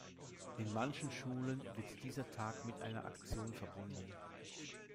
In manchen Schulen wird dieser Tag mit einer Aktion verbunden.